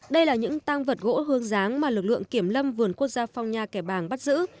đây là những tăng vật gỗ hương giáng mà lực lượng kiểm lâm vườn quốc gia phong nha kẻ bàng bắt giữ